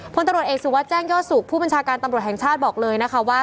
พลตำรวจเอกสุวัสดิแจ้งยอดสุขผู้บัญชาการตำรวจแห่งชาติบอกเลยนะคะว่า